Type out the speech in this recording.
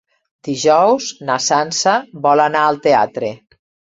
Dijous na Sança vol anar al teatre.